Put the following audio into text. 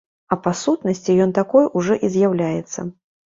А па сутнасці, ён такой ужо і з'яўляецца.